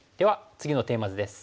次のテーマ図です。